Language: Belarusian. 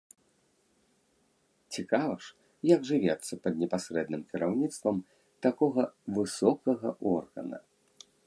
Цікава ж, як жывецца пад непасрэдным кіраўніцтвам такога высокага органа.